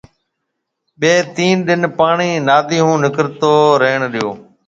ٻيَ تين ڏِن پاڻيَ نادِي هو نڪرتو ريڻ ڏيو